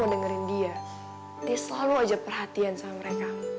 udah lah re